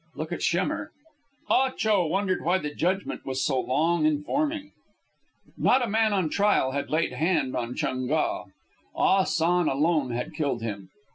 Look at Schemmer. Ah Cho wondered why the judgment was so long in forming. Not a man on trial had laid hand on Chung Ga. Ah San alone had killed him.